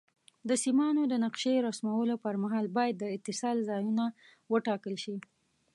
د سیمانو د نقشې رسمولو پر مهال باید د اتصال ځایونه وټاکل شي.